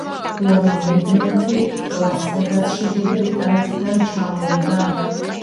ლორი მეიდმენთი ლას ვეგასში დიდი ბრიტანეთიდან ჩამოვიდა.